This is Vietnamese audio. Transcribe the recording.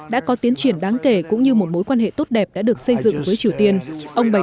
đã có tiến triển đáng kể cũng như một mối quan hệ tốt đẹp đã được xây dựng với triều tiên ông bày